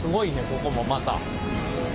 ここもまた。